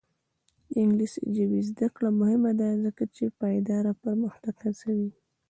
د انګلیسي ژبې زده کړه مهمه ده ځکه چې پایداره پرمختګ هڅوي.